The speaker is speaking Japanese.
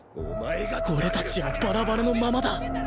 俺たちはバラバラのままだ